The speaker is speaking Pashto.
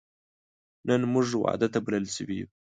نن موږ واده ته بلل شوی یو